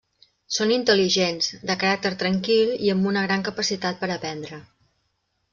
Són intel·ligents, de caràcter tranquil i amb una gran capacitat per a aprendre.